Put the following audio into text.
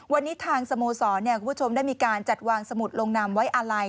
วันนี้ทางสโมสรคุณผู้ชมได้มีการจัดวางสมุดลงนามไว้อาลัย